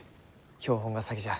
標本が先じゃ。